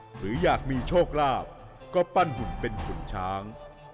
หรืออยากมีโชคลาภก็ปั้นหุ่นเป็นขุนช้าง